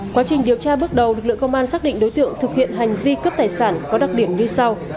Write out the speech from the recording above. quá trình điều tra bước đầu lực lượng công an xác định đối tượng thực hiện hành vi cướp tài sản có đặc điểm như sau